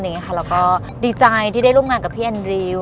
แล้วก็ดีใจที่ได้ร่วมงานกับพี่แอนดริว